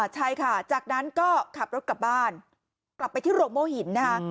ใช่ค่ะจากนั้นก็ขับรถกลับบ้านกลับไปที่โรงโม่หินนะคะ